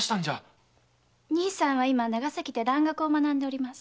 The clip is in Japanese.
兄さんは今長崎で蘭学を学んでおります。